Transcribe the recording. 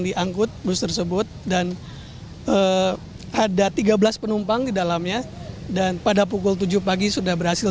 diangkut bus tersebut dan ada tiga belas penumpang di dalamnya dan pada pukul tujuh pagi sudah berhasil